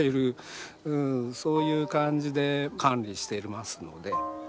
そういう感じで管理してますので。